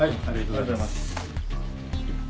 ありがとうございます。